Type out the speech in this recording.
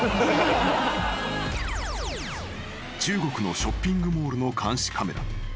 ［中国のショッピングモールの監視カメラ］